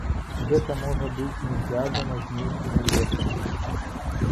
І гэта можа быць не звязана з нейкімі лекамі.